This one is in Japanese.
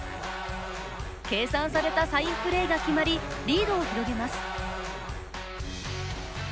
計算されたサインプレーが決まりリードを広げます。